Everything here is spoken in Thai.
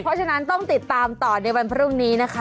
เพราะฉะนั้นต้องติดตามต่อในวันพรุ่งนี้นะคะ